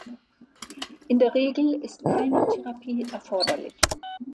In der Regel ist keine Therapie erforderlich.